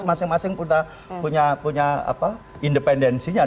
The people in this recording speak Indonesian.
masing masing punya independensinya